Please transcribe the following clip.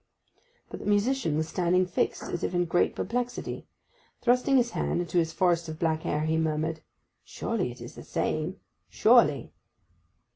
But the musician was standing fixed, as if in great perplexity. Thrusting his hand into his forest of black hair, he murmured, 'Surely it is the same—surely!